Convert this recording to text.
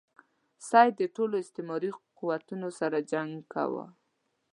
سید د ټولو استعماري قوتونو سره جنګ کاوه.